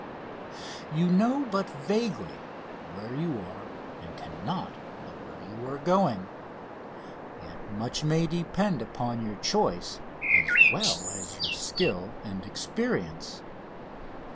You know but vaguely where you are and cannot know where you are going. Yet much may depend upon your choice as well as your skill and experience.